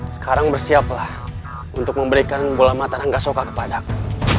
sekarang bersiaplah untuk memberikan bola mata nangga soka kepadaku